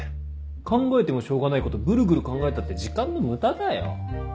考えてもしょうがないことぐるぐる考えたって時間の無駄だよ。